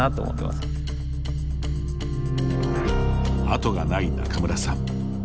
後がない仲邑さん。